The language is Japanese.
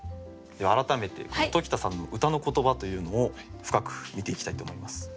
では改めて時田さんの歌の言葉というのを深く見ていきたいと思います。